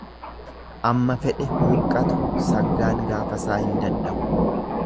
Amma fedhe huuqqatu sangaan gaafasaa hin dadhabu.